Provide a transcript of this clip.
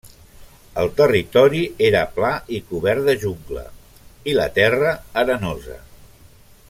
El territori era pla i cobert de jungla, i la terra arenosa.